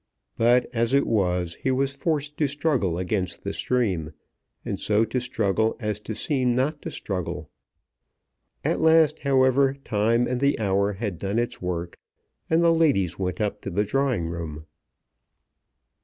But as it was he was forced to struggle against the stream, and so to struggle as to seem not to struggle. At last, however, time and the hour had done its work, and the ladies went up to the drawing room.